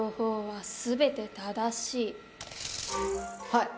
はい。